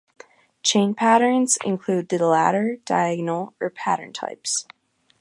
Chain patterns include the ladder, diagonal, or pattern types.